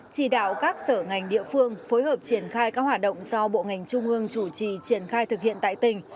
chỉ đạo các sở ngành địa phương phối hợp triển khai các hoạt động do bộ ngành trung ương chủ trì triển khai thực hiện tại tỉnh